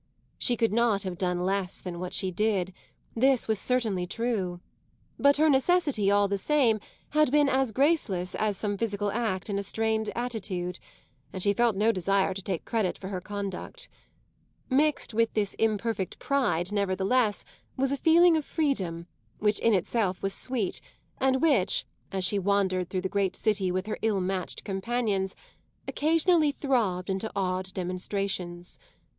She could not have done less than what she did; this was certainly true. But her necessity, all the same, had been as graceless as some physical act in a strained attitude, and she felt no desire to take credit for her conduct. Mixed with this imperfect pride, nevertheless, was a feeling of freedom which in itself was sweet and which, as she wandered through the great city with her ill matched companions, occasionally throbbed into odd demonstrations.